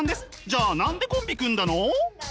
じゃあ何でコンビ組んだの？